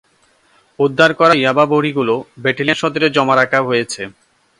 উদ্ধার করা ইয়াবা বড়িগুলো ব্যাটালিয়ন সদরে জমা রাখা হয়েছে।